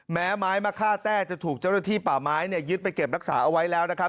ไม้มะค่าแต้จะถูกเจ้าหน้าที่ป่าไม้เนี่ยยึดไปเก็บรักษาเอาไว้แล้วนะครับ